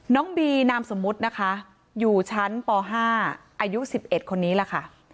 น้องบีนามสมมุตินะคะอยู่ชั้นป๕อายุ๑๑คนนี้แหละค่ะ